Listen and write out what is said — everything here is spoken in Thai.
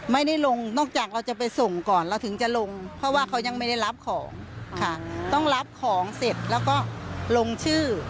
ไม่ได้ลงนอกจากเราจะไปส่งก่อนเราถึงจะลงเพราะว่าเขายังไม่ได้รับของค่ะต้องรับของเสร็จแล้วก็ลงชื่อ